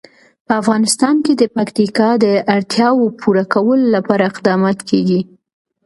په افغانستان کې د پکتیکا د اړتیاوو پوره کولو لپاره اقدامات کېږي.